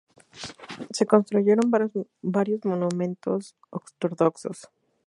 Se construyeron varios monumentos ortodoxos.